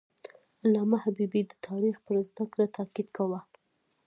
علامه حبیبي د تاریخ پر زده کړه تاکید کاوه.